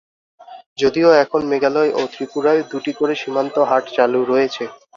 যদিও এখন মেঘালয় ও ত্রিপুরায় দুটি করে সীমান্ত হাট চালু রয়েছে।